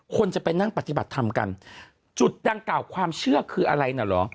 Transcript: คนจะไปนั่งปฏิบัติธรรมกันจุดดังกล่าวความเชื่อคืออะไรน่ะเหรอ